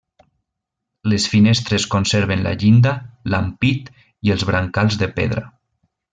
Les finestres conserven la llinda, l'ampit i els brancals de pedra.